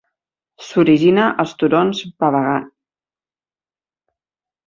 S'origina als turons Pavagadh.